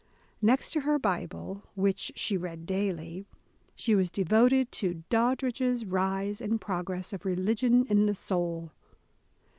Next to her Bible, which she read daily, she was devoted to "Doddridge's Rise and Progress of Religion in the Soul."